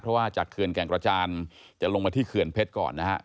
เพราะว่าจากเขื่อนแก่งกระจานจะลงมาที่เขื่อนเพชรก่อนนะฮะ